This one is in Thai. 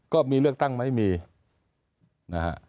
ก็มีเลือกตั้งไม่มีนะฮะ